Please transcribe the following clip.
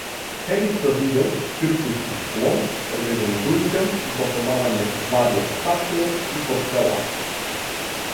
Перица видел циркуски слон пред еден дуќан за продавање ствари од стакло и порцелан.